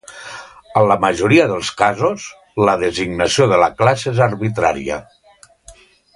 En la majoria dels casos, la designació de la classe és arbitrària.